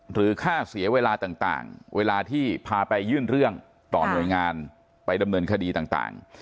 หรือค่าเสียเวลาต่างเวลาที่พาไปยื่นเรื่องต่อหน่วยงานไปดำเนินคดีต่าง